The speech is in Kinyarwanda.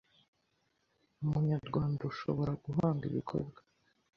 Umunyarwanda ushobora guhanga ibikorwa